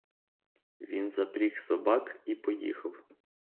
Він запріг собак і поїхав.